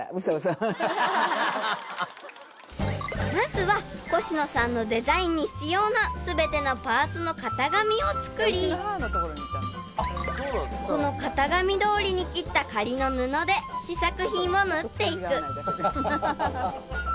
［まずはコシノさんのデザインに必要な全てのパーツの型紙を作りその型紙どおりに切った仮の布で試作品を縫っていく］